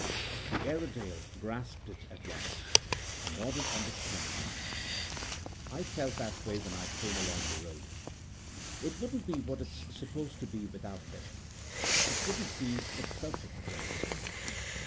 The Airedale grasped it at once, and nodded understandingly. "I felt that way when I came along the road. It wouldn't be what it's supposed to be without them. It wouldn't be the perfect place."